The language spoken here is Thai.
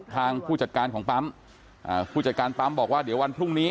ผู้จัดการของปั๊มผู้จัดการปั๊มบอกว่าเดี๋ยววันพรุ่งนี้